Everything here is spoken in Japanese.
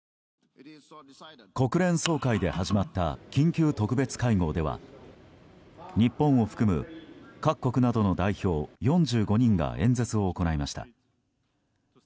国連総会で始まった緊急特別会合では日本を含む各国などの代表４５人が演説を行いました。